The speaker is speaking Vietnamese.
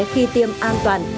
khi tiêm an toàn